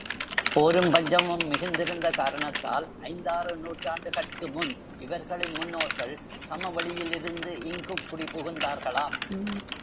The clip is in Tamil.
போரும் பஞ்சமும் மிகுந்திருந்த காரணத்தால், ஐந்தாறு நூற்றாண்டுகட்கு முன் இவர்களின் முன்னோர்கள் சமவெளியிலிருந்து இங்குக் குடிபுகுந்தார்களாம்.